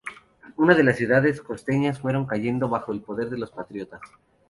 Una a una las ciudades costeñas fueron cayendo bajo el poder de los patriotas.